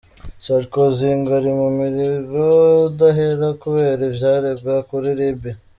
Sarkozy ngo ari mu "muriro udahera" kubera ivyaregwa kuri Libiya.